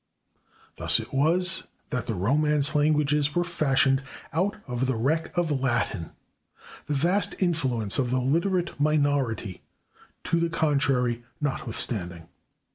" Thus it was that the Romance languages were fashioned out of the wreck of Latin, the vast [Pg179] influence of the literate minority to the contrary notwithstanding.